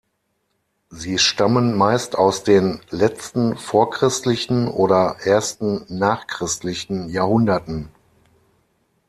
Sie stammen meist aus den letzten vorchristlichen oder ersten nachchristlichen Jahrhunderten.